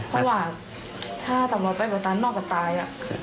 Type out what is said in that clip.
เพราะว่าถ้าตำรวจไปกว่านั้นนอกก็ตาย